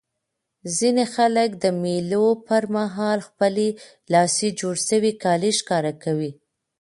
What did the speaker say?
ځيني خلک د مېلو پر مهال خپلي لاسي جوړ سوي کالي ښکاره کوي.